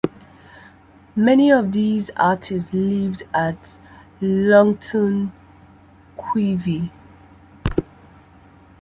Many of these artists lived at Loughton, q.v.